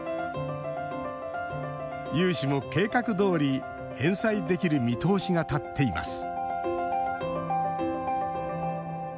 融資も計画どおり返済できる見通しが立っています